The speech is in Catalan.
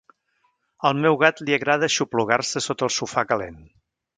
Al meu gat li agrada aixoplugar-se sota el sofà calent.